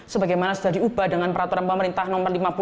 sebagaimana sudah diubah dengan peraturan pemerintah nomor lima puluh